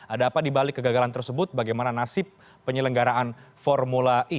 ada apa dibalik kegagalan tersebut bagaimana nasib penyelenggaraan formula e